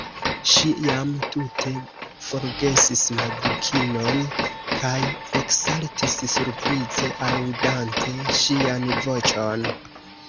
Ŝi jam tute forgesis la Dukinon, kaj eksaltis surprize, aŭdante ŝian voĉon.